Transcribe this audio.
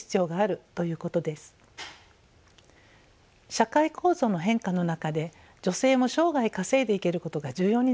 社会構造の変化の中で女性も生涯稼いでいけることが重要になっています。